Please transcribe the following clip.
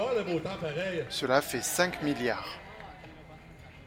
Cela fait cinq milliards